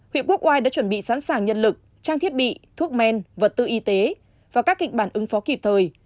huyện quốc oai đã chuẩn bị sẵn sàng nhân lực trang thiết bị thuốc men vật tư y tế và các kịch bản ứng phó kịp thời